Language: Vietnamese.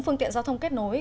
phương tiện giao thông kết nối